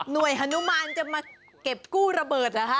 โดยฮานุมานจะมาเก็บกู้ระเบิดเหรอคะ